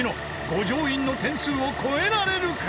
五条院の得点を超えられるか］